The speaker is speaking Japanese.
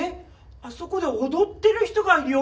あそこで踊ってる人がいるよ。